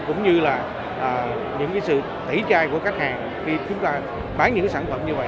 cũng như là những sự tẩy chai của khách hàng khi chúng ta bán những sản phẩm như vậy